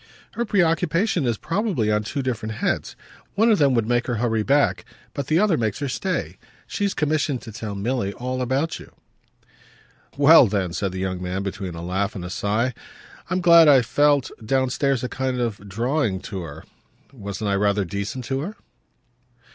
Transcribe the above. "Her preoccupation is probably on two different heads. One of them would make her hurry back, but the other makes her stay. She's commissioned to tell Milly all about you." "Well then," said the young man between a laugh and a sigh, "I'm glad I felt, downstairs, a kind of 'drawing' to her. Wasn't I rather decent to her?"